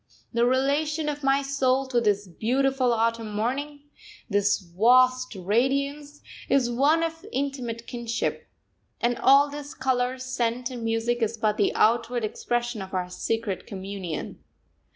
The relation of my soul to this beautiful autumn morning, this vast radiance, is one of intimate kinship; and all this colour, scent, and music is but the outward expression of our secret communion.